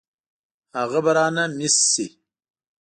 هغه به رانه مېس شي.